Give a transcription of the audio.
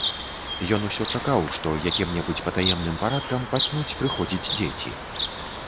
Ён усё чакаў, што якім-небудзь патаемным парадкам пачнуць прыходзіць дзеці.